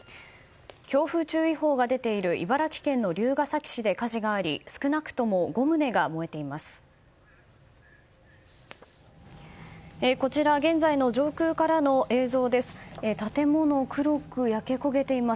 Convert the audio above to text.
強風注意報が出ている茨城県の龍ケ崎市で火事があり少なくとも５棟が燃えています。